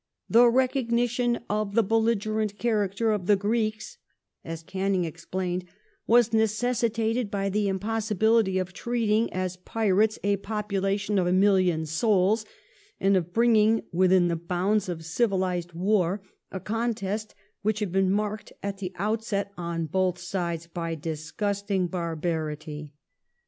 *' The recognition of the belligerent character of the Greeks," as Canning explained, " was necessitated by the impossibility of treating as pirates a population of a million souls, and of bringing within the bounds of civilized war a contest which had been marked at the outset on both sides by disgusting barbarity."